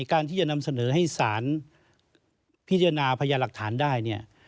การที่จะนำเสนอให้สารพิจารณาพยาหลักฐานได้เนี่ย